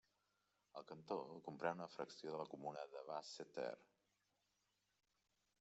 El cantó comprèn una fracció de la comuna de Basse-Terre.